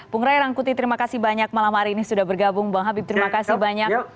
bung ray rangkuti terima kasih banyak malam hari ini sudah bergabung bang habib terima kasih banyak